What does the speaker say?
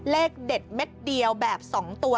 เลขเด็ดเม็ดเดียวแบบ๒ตัว